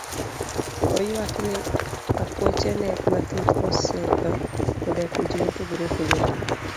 Oywak ni apuoche ne mathoth osetho koda tuoche mopogore opogore.